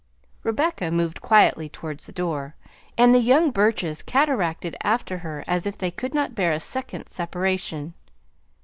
Rebecca moved quietly towards the door, and the young Burches cataracted after her as if they could not bear a second's separation.